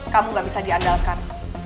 kamu gak bisa diandalkan